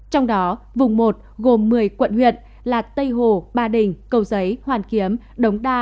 trong đó vùng một gồm một mươi quận huyện là tây hồ ba đình cầu giấy hoàn kiếm đống đa